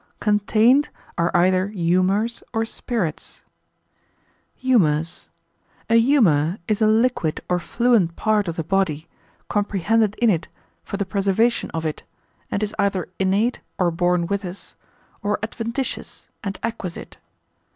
Contained, are either humours or spirits. Humours.] A humour is a liquid or fluent part of the body, comprehended in it, for the preservation of it; and is either innate or born with us, or adventitious and acquisite.